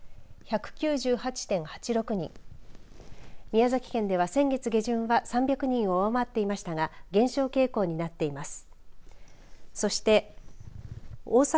宮崎県では先月下旬は３００人を上回っていましたが減少傾向になっています。